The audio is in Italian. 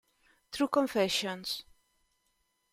True Confessions